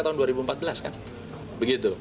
tahun dua ribu empat belas kan begitu